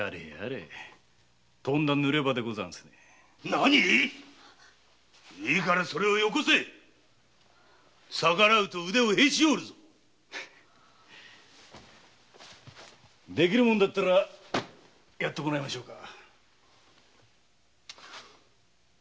何いいからそれをよこせ逆らうと腕をへし折るぞできるもんだったらやってもらいましょうか。